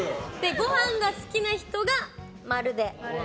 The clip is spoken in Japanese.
ご飯が好きな人が○で。